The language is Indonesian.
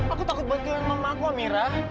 aku takut banget hilang mama aku aminah